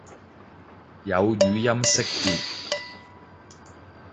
有語音識別